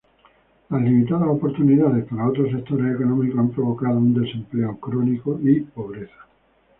Las limitadas oportunidades para otros sectores económicos han provocado un desempleo crónico y pobreza.